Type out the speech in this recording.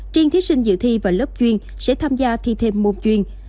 triêng thí sinh dự thi vào lớp duyên sẽ tham gia thi thêm môn duyên